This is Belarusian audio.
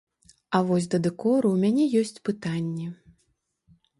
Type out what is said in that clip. А вось да дэкору у мяне ёсць пытанні.